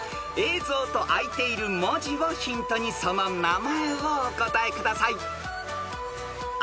［映像と開いている文字をヒントにその名前をお答えください］